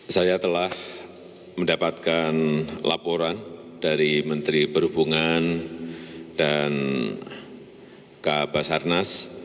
saya telah mendapatkan laporan dari menteri perhubungan dan kabasarnas